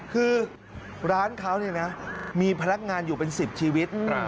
คือร้านเขาเนี่ยนะมีพนักงานอยู่เป็น๑๐ชีวิต